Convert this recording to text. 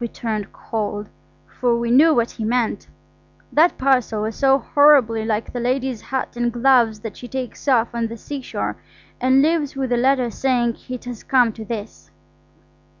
We turned cold, for we knew what he meant. That parcel was so horribly like the lady's hat and gloves that she takes off on the seashore and leaves with a letter saying it has come to this.